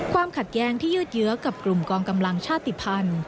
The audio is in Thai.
ความขัดแย้งที่ยืดเยื้อกับกลุ่มกองกำลังชาติภัณฑ์